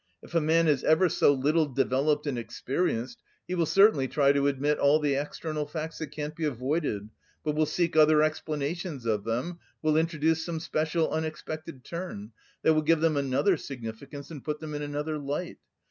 If a man is ever so little developed and experienced, he will certainly try to admit all the external facts that can't be avoided, but will seek other explanations of them, will introduce some special, unexpected turn, that will give them another significance and put them in another light.